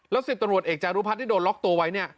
๑๐ตำรวจเอกจารุพัฒน์ที่โดนล็อกตัวไว้เนี่ย